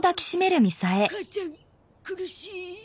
母ちゃん苦しい。